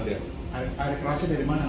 air kerasnya dari mana